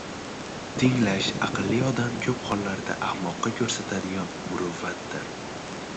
Tinglash aqlli odam ko‘p hollarda ahmoqqa ko‘rsatadigan muruvvatdir